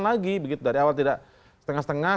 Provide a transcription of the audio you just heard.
lagi begitu dari awal tidak setengah setengah